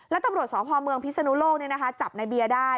แล้วตำรวจสพเมืองพิศนุโลกจับในเบียร์ได้